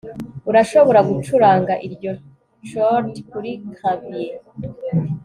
Urashobora gucuranga iyo chord kuri clavier